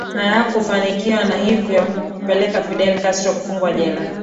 Hayakufanikiwa na hivyo kupelekea Fidel Castro kufungwa jela